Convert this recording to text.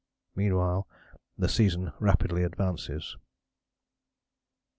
Meanwhile the season rapidly advances."